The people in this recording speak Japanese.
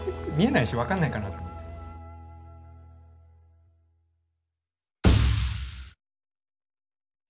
見えないし分かんないかなと思って。